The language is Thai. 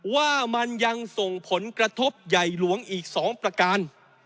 ว่ามันยังส่งผลกระทบใหญ่หลวงอีก๒ประการ